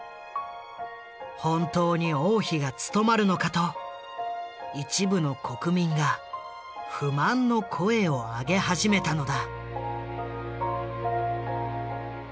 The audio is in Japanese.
本当に王妃が務まるのかと一部の国民が不満の声をあげ始めたのだ。